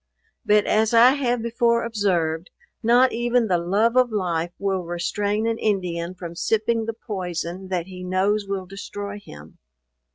But as I have before observed, not even the love of life will restrain an Indian from sipping the poison that he knows will destroy him.